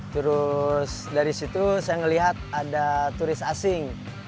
terus dari situ saya melihat ada turis asing